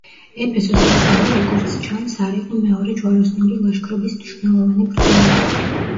ეფესოს ბრძოლა, როგორც ჩანს, არ იყო მეორე ჯვაროსნული ლაშქრობის მნიშვნელოვანი ბრძოლა.